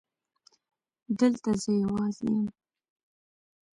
دلته زه يوازې وم.